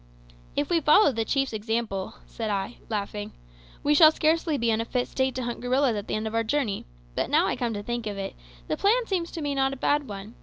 "If we follow the chief's example," said I, laughing, "we shall scarcely be in a fit state to hunt gorillas at the end of our journey; but now I come to think of it, the plan seems to me not a bad one.